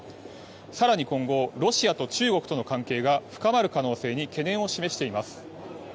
更に今後ロシアと中国との関係が深まる可能性に懸念を示しています。